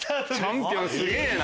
チャンピオンすげぇな！